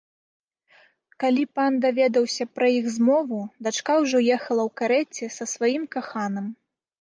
Калі пан даведаўся пра іх змову, дачка ўжо ехала ў карэце са сваім каханым.